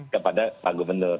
kepada pak gubernur